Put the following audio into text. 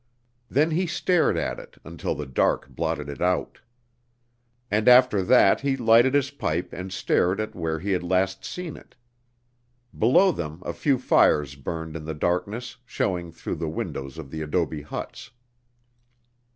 Then he stared at it until the dark blotted it out. And after that he lighted his pipe and stared at where he had last seen it. Below them a few fires burned in the darkness showing through the windows of the adobe huts.